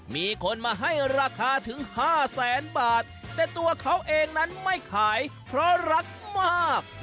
มีคนมาให้ราคาถึงห้าแสนบาทแต่ตัวเขาเองนั้นไม่ขายเพราะรักมาก